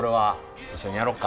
一緒にやろっか。